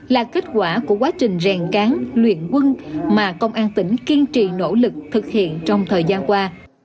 là kết quả của quá trình rèn cán luyện quân mà công an tỉnh kiên trì nỗ lực thực hiện trong thời gian qua